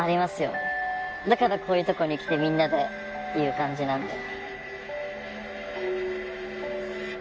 だからこういう所に来てみんなでいる感じなので。